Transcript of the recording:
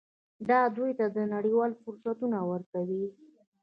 دا دوی ته نړیوال فرصتونه ورکوي.